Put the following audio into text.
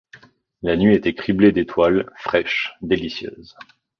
La nuit était criblée d’étoiles, fraîche, délicieuse.